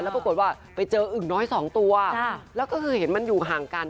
ปรากฏว่าไปเจออึ่งน้อยสองตัวแล้วก็คือเห็นมันอยู่ห่างกัน